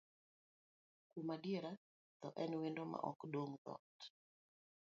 Kuom adier, thoo en wendo maok duong' dhoot.